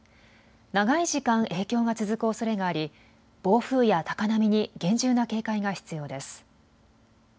長い時間、影響が続くおそれがあり暴風や高波に厳重な警戒が必要です。